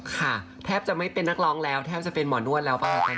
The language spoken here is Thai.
ค่ะแทบจะไม่เป็นนักร้องแล้วแทบจะเป็นหมอนวดแล้วป่ะ